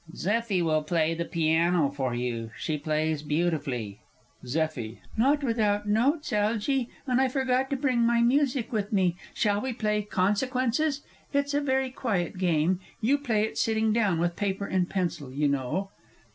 Zeffie will play the piano for you she plays beautifully. ZEFFIE. Not without notes, Algy, and I forgot to bring my music with me. Shall we play "Consequences"? It's a very quiet game you play it sitting down, with paper and pencil, you know!